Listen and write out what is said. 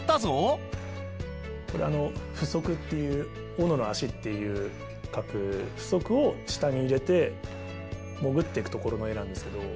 これあの斧足っていう斧の足って書く斧足を下に入れて潜ってくところの画なんですけど。